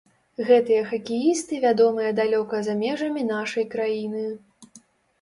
Гэтыя хакеісты вядомыя далёка за межамі нашай краіны.